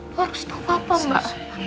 aku harus tau papa mbak